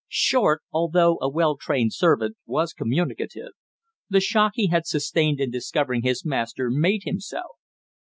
Short, although a well trained servant, was communicative. The shock he had sustained in discovering his master made him so.